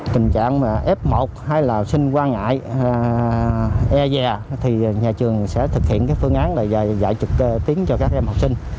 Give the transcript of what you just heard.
tình trạng f một hay là sinh quan ngại e dè thì nhà trường sẽ thực hiện phương án dạy trực tuyến cho các em học sinh